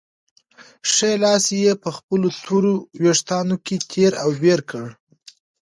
ښی لاس یې په خپلو تورو وېښتانو کې تېر او بېر کړ.